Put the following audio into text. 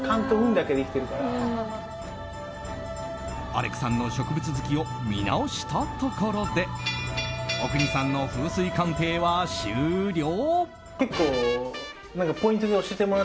アレクさんの植物好きを見直したところで阿国さんの風水鑑定は終了！